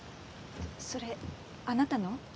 それあなたの？